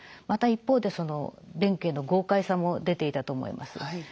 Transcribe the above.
また一方でその弁慶の豪快さも出ていたと思います。